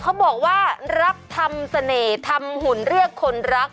เขาบอกว่ารับทำเสน่ห์ทำหุ่นเลือกคนรัก